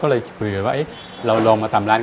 คุณนัทสวัสดีครับผมสวัสดีครับผม